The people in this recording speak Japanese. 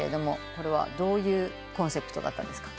これはどういうコンセプトだったんですか？